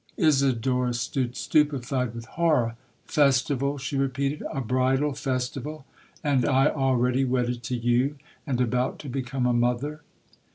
'Isidora stood stupified with horror. 'Festival!' she repeated—'a bridal festival!—and I already wedded to you, and about to become a mother!'